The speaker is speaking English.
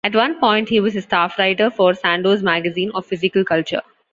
At one point he was a staff writer for "Sandow's Magazine of Physical Culture".